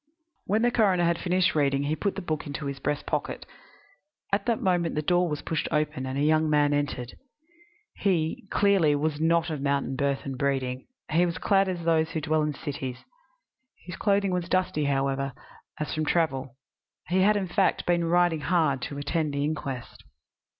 When the coroner had finished reading he put the book into his breast pocket. At that moment the door was pushed open and a young man entered. He, clearly, was not of mountain birth and breeding: he was clad as those who dwell in cities. His clothing was dusty, however, as from travel. He had, in fact, been riding hard to attend the inquest.